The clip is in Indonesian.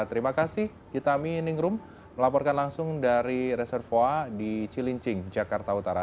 terima kasih hitami ningrum melaporkan langsung dari reservoa di cilincing jakarta utara